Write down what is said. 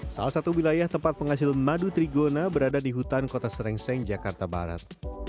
salah satu wilayah tempat penghasil madu trigona berada di hutan kota serengseng jakarta barat